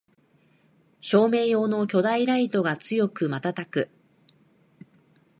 照明用の巨大ライトが強くまたたく